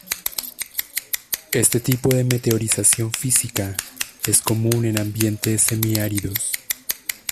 Este tipo de Meteorización física es común en ambiente semiáridos.